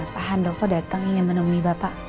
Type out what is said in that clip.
pak handoko datang ingin menemui bapak